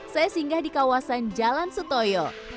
saya singgah di kawasan jalan setoyo